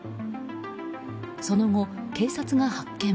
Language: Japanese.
その後、警察が発見。